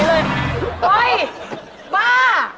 เฮ้ยบ้า